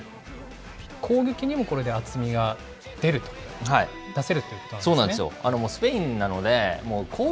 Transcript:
攻撃にもこれで厚みが出ると、出せるということなんですね。